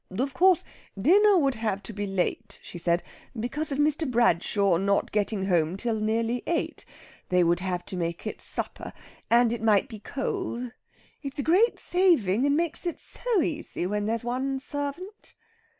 "Of course, dinner would have to be late," she said, "because of Mr. Bradshaw not getting home till nearly eight. They would have to make it supper. And it might be cold; it's a great saving, and makes it so easy where there's one servant."